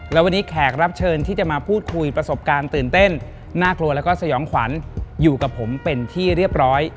และวันนี้แขกรับเชิญที่จะมาพูดคุยประสบการณ์ตื่นเต้นน่ากลัวแล้วก็สยองขวัญอยู่กับผมเป็นที่เรียบร้อย